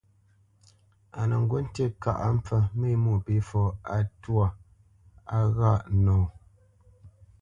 A nə ŋgǔ ŋtí kâʼ á mpfə́ mé Mwôpéfɔ á twâ á ghâʼ nɔ.